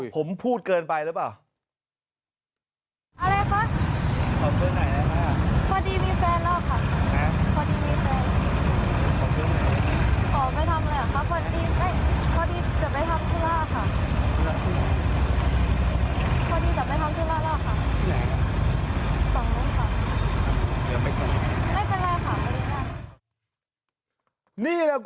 ผมพูดเกินไปหรือเปล่า